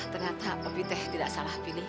ternyata kopi teh tidak salah pilih